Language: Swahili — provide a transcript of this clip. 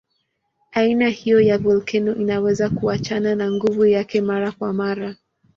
Aina hiyo ya volkeno inaweza kuachana na nguvu yake mara kwa mara.